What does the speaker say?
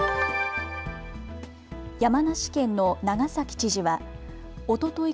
山梨県の長崎知事はおととい